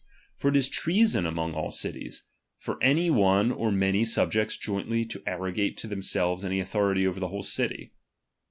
For it is treason among all cities, for any one or many subjects jointly to arrogate to themselves any authority over the whole city.